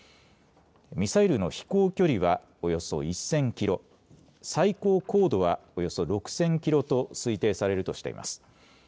ミサイルの飛行距離はおよそ１０００キロ、最高高度はおよそ６０００キロと推定されるとしています。